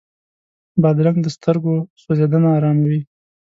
بادرنګ د سترګو سوځېدنه اراموي.